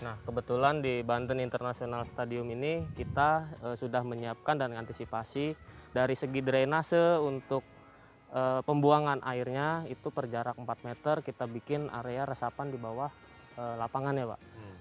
nah kebetulan di banten international stadium ini kita sudah menyiapkan dan mengantisipasi dari segi drainase untuk pembuangan airnya itu perjarak empat meter kita bikin area resapan di bawah lapangan ya pak